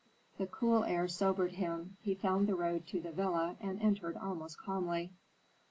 The cool air sobered him; he found the road to the villa and entered almost calmly.